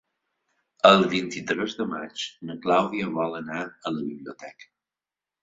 El vint-i-tres de maig na Clàudia vol anar a la biblioteca.